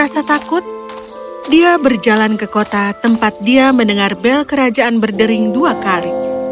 rasa takut dia berjalan ke kota tempat dia mendengar bel kerajaan berdering dua kali